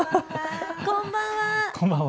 こんばんは。